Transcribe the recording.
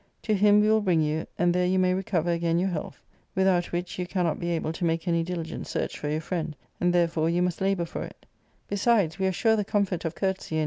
To him we will bring you, and there you/ may recover again your health, without which you cannot be able to make any diligent search for your friend, and, there fore, you must labour for it Besides, we are sure the comfort of courtesy and.